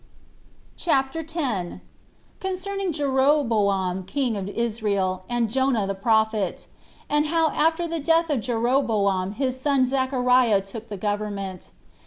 CHAPTER 10. Concerning Jeroboam King Of Israel And Jonah The Prophet; And How After The Death Of Jeroboam His Son Zachariah Took The Government.